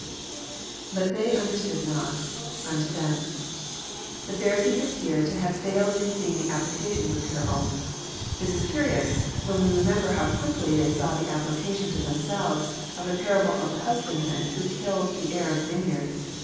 {Bttt they understood not.., unto them.'] The Pharisees appear to have failed in seeing the application of the parable. This is curious, when we remember how quickly they saw the applica tion to themselves of the parable of the husbandmen who killed the heir of the vineyard.